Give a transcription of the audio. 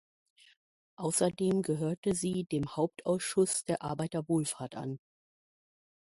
Außerdem gehörte sie dem Hauptausschuss der Arbeiterwohlfahrt an.